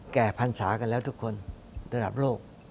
แก่พันธุ์สาหกันแล้วทุกคนตราบโลก